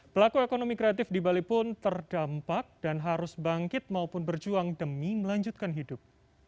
pelaku ekonomi kreatif di bali pun terdampak dan harus bangkit maupun berjuang demi melanjutkan hidup